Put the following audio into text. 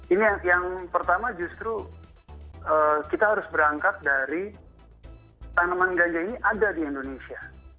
ini yang pertama justru kita harus berangkat dari tanaman ganja ini ada di indonesia